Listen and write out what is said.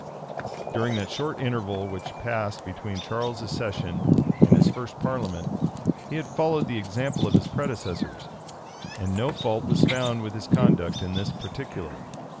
During that short interval which passed between Charles's accession and his first parliament, he had followed the example of his predecessors; and no fault was found with his conduct in this particular.